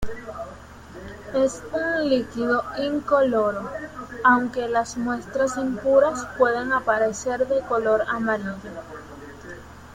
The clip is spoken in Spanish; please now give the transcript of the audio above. Es un líquido incoloro, aunque las muestras impuras pueden aparecer de color amarillo.